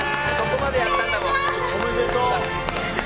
おめでとう！